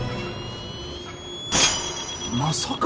まさか。